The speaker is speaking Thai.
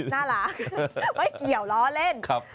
น่ารักไม่เกี่ยวล้อเล่น